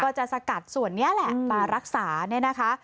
จะสกัดส่วนนี้แหละมารักษาเนี่ยนะคะ